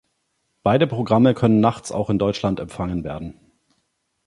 Beide Programme können nachts auch in Deutschland empfangen werden.